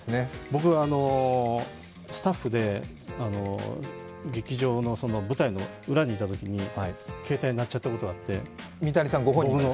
僕、スタッフで、劇場の舞台の裏にいたときに携帯鳴っちゃったことあって。